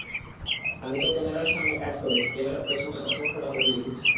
আমি তো ক্যামেরার সামনে কাজ করেছি, ক্যামেরার পেছনে অসংখ্য নাটক লিখেছি।